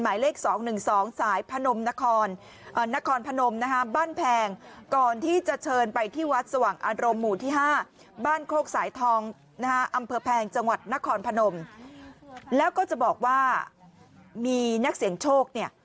อำเผอแพงจังหวัดนครพนมแล้วก็จะบอกว่ามีนักเสี่ยงโชคเนี่ย